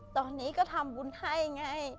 ตอนนี้ก็ทำบุญให้ไง